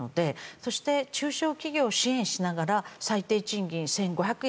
そして、中小企業を支援しながら最低賃金１５００円。